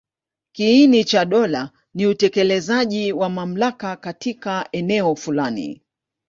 Kiini cha dola ni utekelezaji wa mamlaka katika eneo fulani.